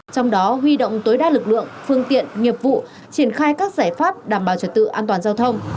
trong đó huy động tối đa lực lượng phương tiện nghiệp vụ triển khai các giải pháp đảm bảo trật tự an toàn giao thông